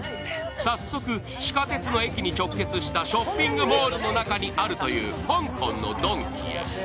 早速、地下鉄の駅に直結したショッピングモールの中にあるという、香港のドンキへ。